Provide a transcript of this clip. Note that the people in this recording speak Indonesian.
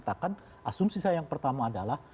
asumsi saya yang pertama adalah